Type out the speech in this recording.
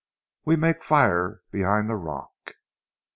We mak' fire behind zee rock."